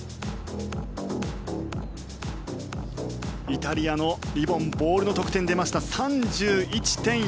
イタリアのリボン・ボールの得点が出ました３１．４５０。